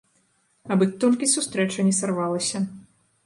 Абы толькі сустрэча не сарвалася.